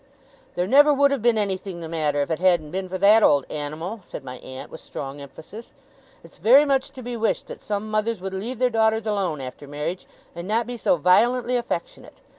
'There never would have been anything the matter, if it hadn't been for that old Animal,' said my aunt, with strong emphasis. 'It's very much to be wished that some mothers would leave their daughters alone after marriage, and not be so violently affectionate.